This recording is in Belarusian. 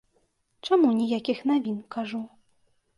Чаму ніякіх навін, кажу.